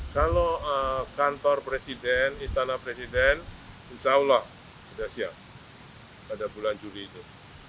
kalau kantor presiden istana presiden insya allah sudah siap pada bulan juli itu